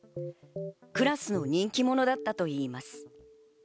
クラスの人気者だったといいます。